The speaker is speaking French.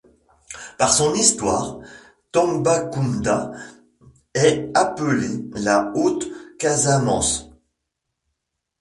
Par son histoire, Tambacounda est appelée la Haute Casamance.